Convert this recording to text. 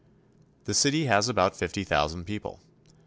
The city has about fifty thousand people.